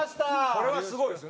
これはすごいですよね。